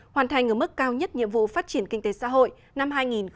hoàn thành ở mức cao nhất nhiệm vụ phát triển kinh tế xã hội năm hai nghìn hai mươi